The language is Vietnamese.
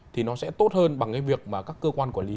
thì nó sẽ tốt hơn bằng cái việc mà các cơ quan quản lý